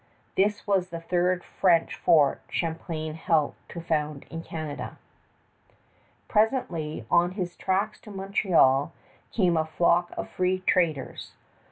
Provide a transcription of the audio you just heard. This was the third French fort Champlain helped to found in Canada. Presently, on his tracks to Montreal, came a flock of free traders.